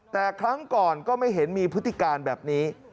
แต่ครั้งก่อนก็ไม่เห็นมีพฤติการแบบนี้